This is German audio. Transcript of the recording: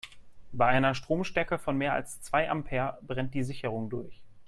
Bei einer Stromstärke von mehr als zwei Ampere brennt die Sicherung durch.